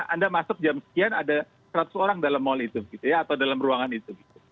anda masuk jam sekian ada seratus orang dalam mall itu atau dalam ruangan itu